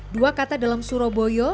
dua kata dalam suro dan boyo itu berkata